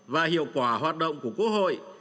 và hiệu quả hoạt động của quốc hội